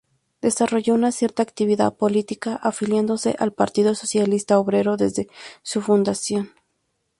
Desarrolló una cierta actividad política afiliándose al Partido Socialista Obrero desde su fundación.